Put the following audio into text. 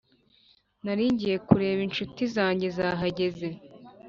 nari ngiye kureba inshuti zanjye zahajyeze